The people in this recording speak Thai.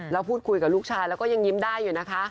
แล้วพูดคุยกับลูกชายแล้วก็ยังยิ้มได้อยู่นะคะ